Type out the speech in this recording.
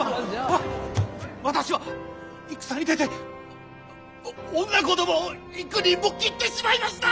あ私は戦に出てお女子供を幾人も斬ってしまいました！